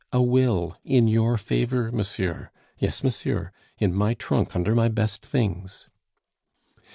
A will in your favor, monsieur.... Yes, monsieur, in my trunk under my best things."